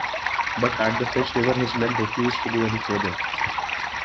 But at the Fish River his men refused to go any further.